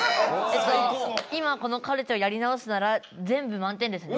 今このカルテをやり直すなら全部満点ですね。